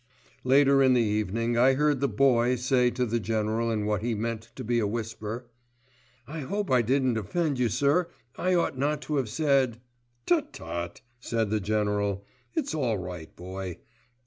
Later in the evening I heard the Boy say to the General in what he meant to be a whisper— "I hope I didn't offend you, sir. I ought not to have said——" "Tut, tut," said the General. "It's all right, Boy.